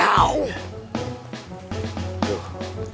aduh aduh aduh